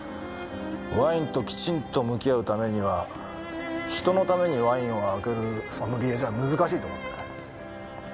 ワインときちんと向き合うためには人のためにワインを開けるソムリエじゃ難しいと思ってね。